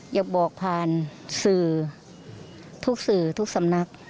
อยากบอกผ่านสื่อทุกสื่อทุกสำนัก